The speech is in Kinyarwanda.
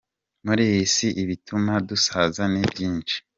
Muri iyi si, ibituma dusaza ni byinshi.